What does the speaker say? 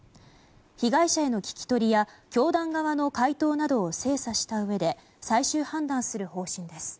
被害者への聞き取りや教団側の回答などを精査したうえで最終判断する方針です。